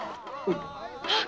あっ！